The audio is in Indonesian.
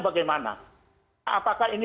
bagaimana apakah ini